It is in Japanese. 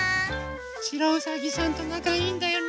しろうさぎさんとなかいいんだよね。